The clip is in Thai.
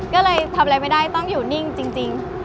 ก็เลยทำอะไรไม่ได้ต้องอยู่นิ่งจริง